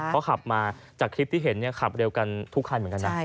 เขาขับมาจากคลิปที่เห็นขับเร็วกันทุกคันเหมือนกันนะ